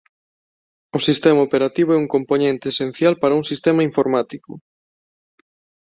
O sistema operativo é un compoñente esencial para un sistema informático.